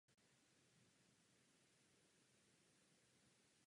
Hřbitov se nachází v ulici Polná.